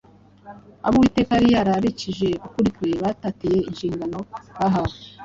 Abo Uwiteka yari yarabikije ukuri kwe batatiye ishingano bahawe